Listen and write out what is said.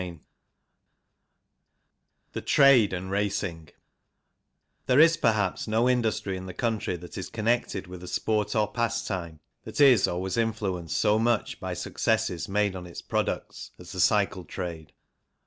CHAPTER X THE TRADE AND RACING THERE is, perhaps, no industry in the country that is connected with a sport or pastime that is or was in fluenced so much by successes made on its products as the cycle trade.